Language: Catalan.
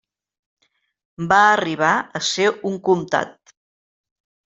Va arribar a ser un comtat.